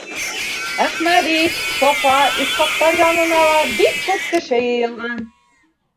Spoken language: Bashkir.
Әхмәҙи, Сафа, Исхаҡтар янына ла бик күп кеше йыйылған.